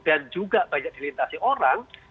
dan juga banyak dilintasi orang